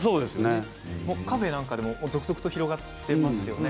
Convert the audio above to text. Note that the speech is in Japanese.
カフェでも続々と広がっていますよね。